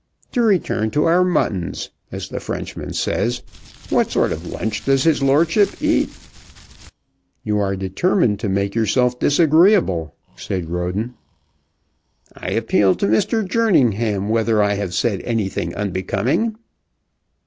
To return to our muttons, as the Frenchman says, what sort of lunch does his lordship eat?" "You are determined to make yourself disagreeable," said Roden. "I appeal to Mr. Jerningham whether I have said anything unbecoming."